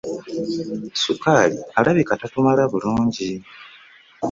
Ssukaali alabika tatumala bulungi.